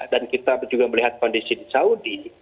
dan kita juga melihat kondisi di saudi